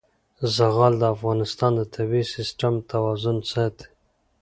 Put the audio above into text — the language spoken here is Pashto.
زغال د افغانستان د طبعي سیسټم توازن ساتي.